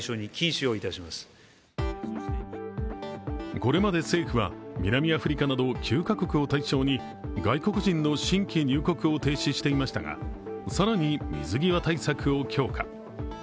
これまで政府は南アフリカなど９カ国を対象に外国人の新規入国を停止していましたが、更に水際対策を強化。